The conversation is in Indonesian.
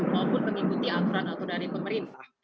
maupun mengikuti aturan aturan dari pemerintah